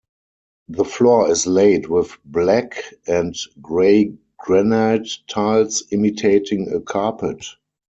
The floor is laid with black and grey granite tiles imitating a carpet.